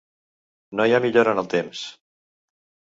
No hi ha millora en el temps.